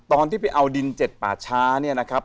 ตอนที่ไปเอาดินเจ็ดป่าช้าเนี่ยนะครับ